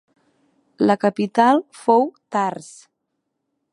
La capital fou Tars.